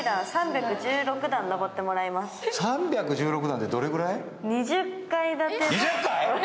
３１６段てどれぐらい？